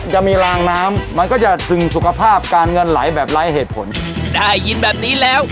จะมีรางน้ำมันก็จะถึงสุขภาพการเงินไหลแบบไร้เหตุผลได้ยินแบบนี้แล้ว